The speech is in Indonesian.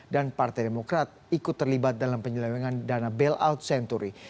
dan partai demokrat ikut terlibat dalam penyelewengan dana bailout century